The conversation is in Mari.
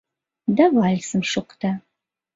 Да вальсым шокта